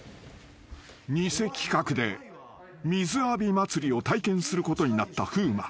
［偽企画で水浴び祭りを体験することになった風磨］